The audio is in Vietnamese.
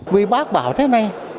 vì bác bảo thế này